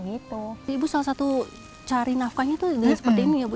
ibu salah satu cari nafkahnya itu seperti ini ya bu